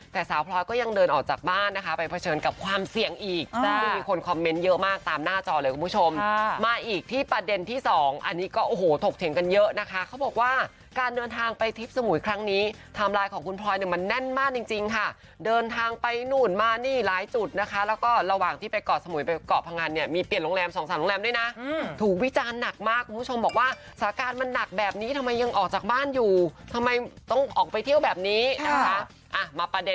แต่ชาวพลอยก็ยังเดินออกจากบ้านนะคะไปเผชิญกับความเสี่ยงอีกไม่มีคนคอมเมนต์เยอะมากตามหน้าจอเลยคุณผู้ชมมาอีกที่ประเด็นที่๒อันนี้ก็โถกเถียงกันเยอะนะคะเขาบอกว่าการเดินทางไปทริปสมุยครั้งนี้ทำลายของคุณพลอยมันแน่นมากจริงค่ะเดินทางไปนู่นมานี่หลายจุดนะคะแล้วก็ระหว่างที่ไปเกาะสมุยไปเกาะพางานเนี่ยมีเป